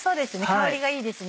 香りがいいですね。